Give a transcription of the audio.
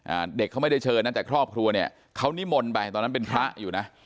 เด็กเขาไม่ได้เชิญนะแต่ครอบครัวเนี้ยเขานิมนต์ไปตอนนั้นเป็นพระอยู่นะ